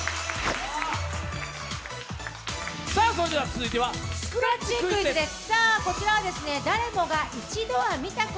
続いてはスクラッチクイズです。